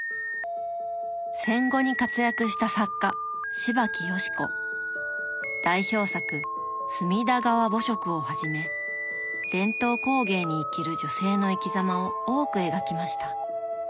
戦後に活躍した代表作「隅田川暮色」をはじめ伝統工芸に生きる女性の生きざまを多く描きました。